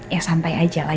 ya santai aja lah